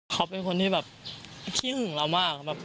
เขาเป็นคนที่แบบขี้หึงเรามากครับ